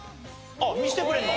あっ見せてくれるの！？